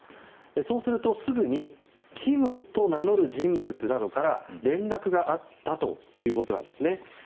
そうすると、すぐにキムと名乗る人物などから連絡があったということです。